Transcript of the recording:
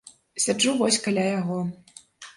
Сяджу вось каля яго.